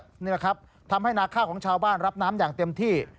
นี่แหละครับทำให้นาข้าวของชาวบ้านรับน้ำอย่างเต็มที่